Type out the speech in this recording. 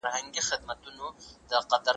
ښځینه کالي بې رنګه نه وي.